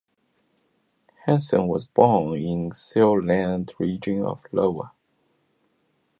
Hansen was born in the Siouxland region of Iowa.